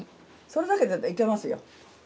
それだけでいけますよ。